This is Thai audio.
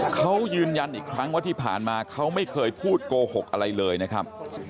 เขายืนยันอีกครั้งว่าที่ผ่านมาเขาไม่เคยพูดโกหกอะไรเลยนะครับ